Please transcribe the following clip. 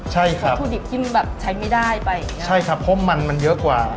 ใช่ครับส่วนผัวทุดิบที่มันแบบใช้ไม่ได้ไปใช่ครับเพราะมันมันเยอะกว่า